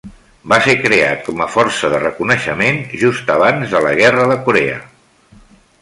Va ser creat com a força de reconeixement just abans de la Guerra de Corea.